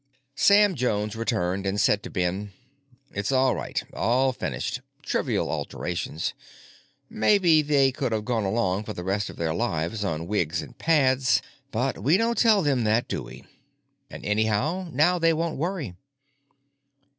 Sam Jones returned and said to Ben, "It's all right. All finished. Trivial alterations. Maybe they could have gone along for the rest of their lives on wigs and pads—but we don't tell them that, do we? And anyway now they won't worry.